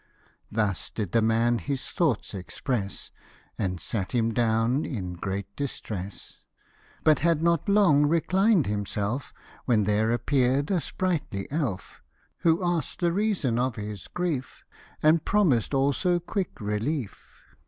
Thus did the man his thoughts express, And sat him down in great distress ; But had not long reclined himself, When there appeared a sprightly elf, Who ask'd the reason of his grief, And promised also quick relief.